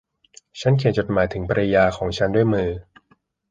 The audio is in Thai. ฉันเขียนจดหมายถึงภรรยาของฉันด้วยมือ